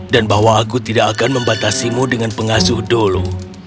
dan bahwa aku tidak akan membatasimu dengan pengasuh dulu